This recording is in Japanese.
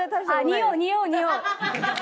におうにおうにおう！